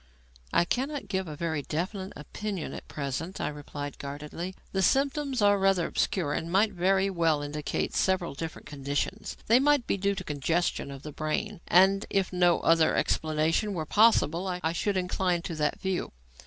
"I cannot give a very definite opinion at present," I replied guardedly. "The symptoms are rather obscure and might very well indicate several different conditions. They might be due to congestion of the brain, and, if no other explanation were possible, I should incline to that view.